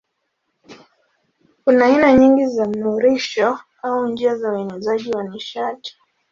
Kuna aina nyingi za mnururisho au njia za uenezaji wa nishati.